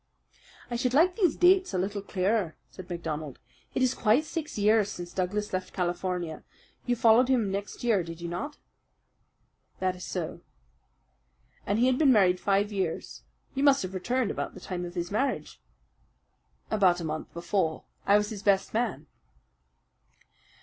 "I should like these dates a little clearer," said MacDonald. "It is quite six years since Douglas left California. You followed him next year, did you not?" "That is so." "And he had been married five years. You must have returned about the time of his marriage." "About a month before. I was his best man."